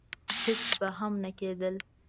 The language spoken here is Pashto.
هېڅ به هم نه کېدل.